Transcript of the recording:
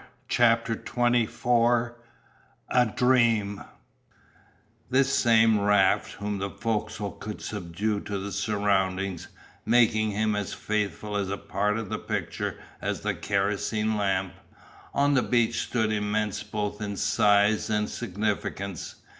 CHAPTER XXIV A DREAM This same Raft whom the fo'c'sle could subdue to the surroundings, making him as faithful a part of the picture as the kerosene lamp, on the beach stood immense both in size and significance.